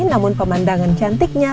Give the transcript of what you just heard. namun pemandangan cantiknya